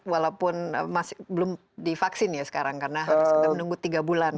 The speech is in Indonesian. walaupun belum divaksin ya sekarang karena harus sudah menunggu tiga bulan